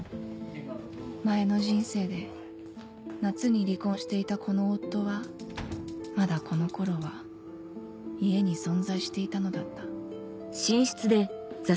前の人生で夏に離婚していたこの夫はまだこの頃は家に存在していたのだった